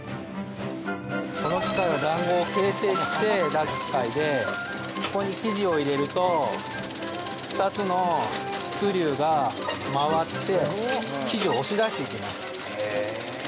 この機械はだんごを形成して出す機械でここに生地を入れると２つのスクリューが回って生地を押し出していくんです。